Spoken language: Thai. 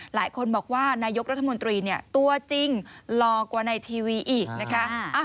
หลายคนบอกว่านายกรัฐมนตรีเนี่ยตัวจริงหล่อกว่าในทีวีอีกนะคะ